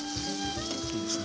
いいですね。